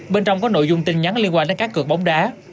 bên trong có nội dung tin nhắn liên quan đến cá cực bóng đá